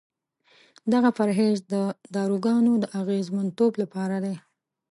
دغه پرهیز د داروګانو د اغېزمنتوب لپاره دی.